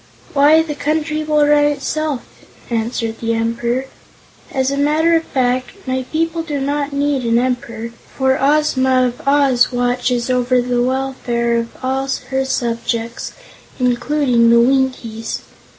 "Why, the Country will run itself," answered the Emperor. "As a matter of fact, my people do not need an Emperor, for Ozma of Oz watches over the welfare of all her subjects, including the Winkies.